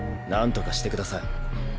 なんとかしてください。